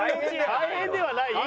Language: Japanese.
大変ではない。